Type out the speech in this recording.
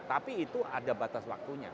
tapi itu ada batas waktunya